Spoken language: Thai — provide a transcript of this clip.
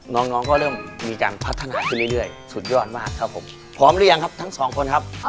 น้องน้องก็เริ่มมีการพัฒนาขึ้นเรื่อยสุดยอดมากครับผมพร้อมหรือยังครับทั้งสองคนครับ